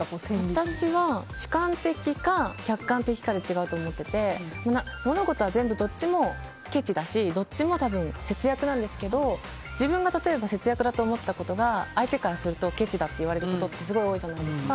私は主観的か客観的かで違うと思っていて物事はどっちもけちだし節約なんですけど自分が節約だと思ったことが相手からするとけちだと言われることって多いじゃないですか。